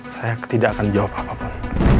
saya tidak akan jawab apapun